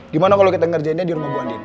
gimana kalo kita ngerjainnya di rumah bu andin